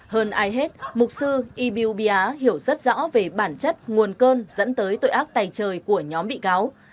hơn ai hết mục sư ibiubia hiểu rất rõ về bản chất nguồn cơn dẫn tới tội ác tài trời của nhóm bị cáo